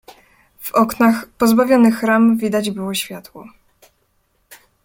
"W oknach pozbawionych ram widać było światło."